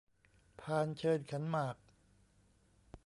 พานเชิญขันหมาก